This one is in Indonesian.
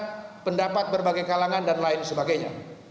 aspirasi masyarakat pendapat berbagai kalangan dan lain sebagainya